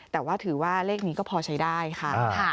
แต่ว่าถือว่าเลขนี้ก็พอใช้ได้ค่ะ